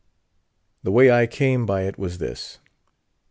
The way I came by it was this.